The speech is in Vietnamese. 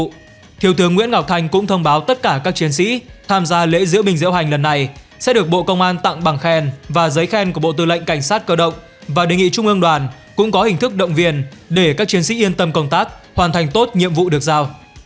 trong đó thiếu tướng nguyễn ngọc thanh cũng thông báo tất cả các chiến sĩ tham gia lễ diễu bình diễu hành lần này sẽ được bộ công an tặng bằng khen và giấy khen của bộ tư lệnh cảnh sát cơ động và đề nghị trung ương đoàn cũng có hình thức động viên để các chiến sĩ yên tâm công tác hoàn thành tốt nhiệm vụ được giao